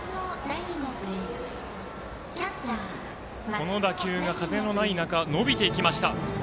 この打球が風のない中伸びていきました。